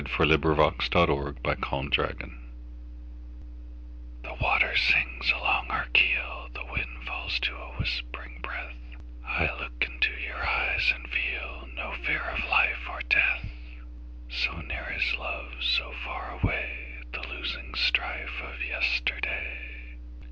1900. By SophieJewett 1502 Armistice THE WATER sings along our keel, The wind falls to a whispering breath;I look into your eyes and feelNo fear of life or death; So near is love, so far awayThe losing strife of yesterday.